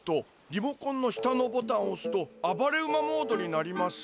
リモコンの下のボタンをおすとあばれ馬モードになります。